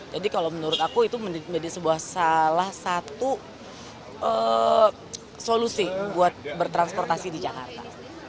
jadi kalau menurut aku itu menjadi salah satu solusi buat bertransportasi di jakarta